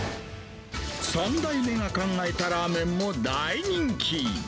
３代目が考えたラーメンも大人気。